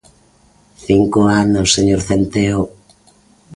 ¡Cinco anos, señor Centeo!